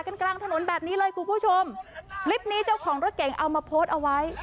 กลางถนนแบบนี้เลยคุณผู้ชมคลิปนี้เจ้าของรถเก่งเอามาโพสต์เอาไว้